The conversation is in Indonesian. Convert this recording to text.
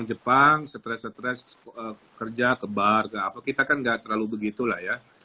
jepang stres stres kerja ke bar ke apa kita kan nggak terlalu begitu lah ya